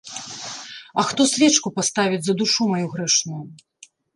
А хто свечку паставіць за душу маю грэшную?